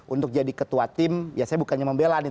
untuk jadi ketua tim ya saya bukannya membela nih